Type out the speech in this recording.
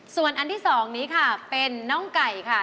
ส่วนอันที่๒นี้ค่ะเป็นน้องไก่ค่ะ